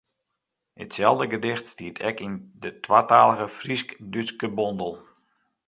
Itselde gedicht stiet ek yn de twatalige Frysk-Dútske bondel.